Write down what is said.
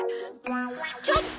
ちょっと！